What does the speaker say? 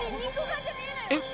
えっ？